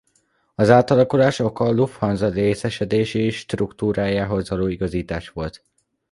Az átalakulás oka a Lufthansa részesedési struktúrájához való igazítás volt.